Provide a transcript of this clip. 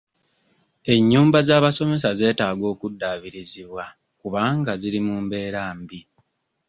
Enyumba z'abasomesa zeetaaga okuddaabirizibwa kubanga ziri mu mbeera mbi.